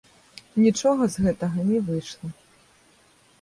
Нічога з гэтага не выйшла.